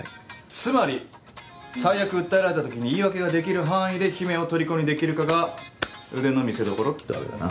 つまり最悪訴えられたときに言い訳ができる範囲で姫をとりこにできるかが腕の見せどころってわけだな。